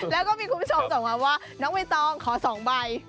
แล้วก็มีคุณผู้ชมส่งมาว่าน้องใบตองขอ๒ใบ